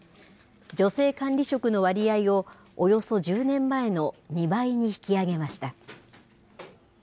女性管理職の割合をおよそ１０年前の２倍に引き上げました。